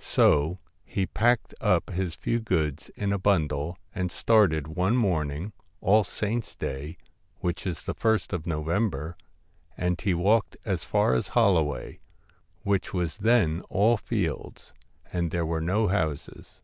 So he packed up his few goods in a bundle, and started one morning, All Saints' Day, which is the ist of November, and he walked as far as Holloway; which was then all fields, and there were no houses.